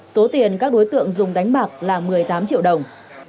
số tiền các đối tượng dùng đánh bạc là một mươi tám triệu đồng